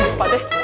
aduh pak teh